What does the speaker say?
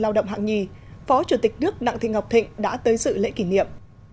lao động hạng nhì phó chủ tịch nước đặng thị ngọc thịnh đã tới sự lễ kỷ niệm